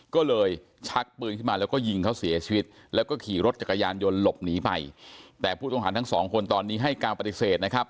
ก็เลยชักปืนขึ้นมาแล้วก็ยิงเขาเสียชีวิตแล้วก็ขี่รถจักรยานยนต์หลบหนีไปแต่ผู้ต้องหาทั้งสองคนตอนนี้ให้การปฏิเสธนะครับ